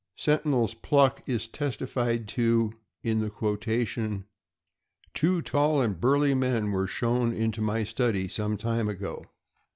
Sentinel's pluck is testified to in the quotation : Two tall and burly men were shown into my study some time ago.